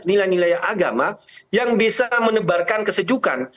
nilai nilai agama yang bisa menebarkan kesejukan